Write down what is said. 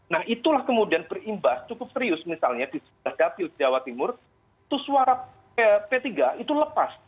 nah itulah kemudian berimbas cukup serius misalnya di sebelah dapil jawa timur itu suara p tiga itu lepas